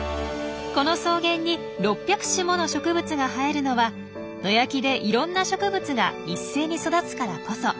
この草原に６００種もの植物が生えるのは野焼きでいろんな植物が一斉に育つからこそ。